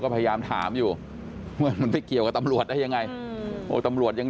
พยายามถามอยู่ว่ามันไปเกี่ยวกับตำรวจได้ยังไงโอ้ตำรวจยัง